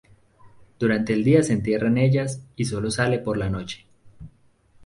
Durante el día se entierra en ellas y solo sale por la noche.